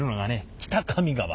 北上川。